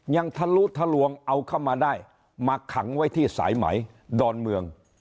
ทะลุทะลวงเอาเข้ามาได้มาขังไว้ที่สายไหมดอนเมือง